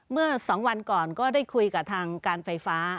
เมื่อ๒วันก่อนก็ได้คุยกับทางการไฟฟ้า